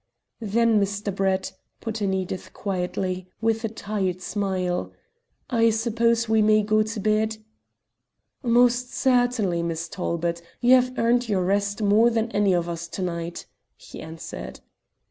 "Then, Mr. Brett," put in Edith quietly, with a tired smile, "I suppose we may go to bed?" "Most certainly, Miss Talbot. You have earned your rest more than any of us to night," he answered.